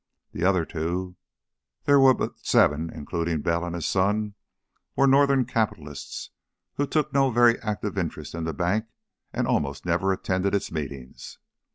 The other two there were but seven, including Bell and his son were Northern capitalists who took no very active interest in the bank and almost never attended its meetings.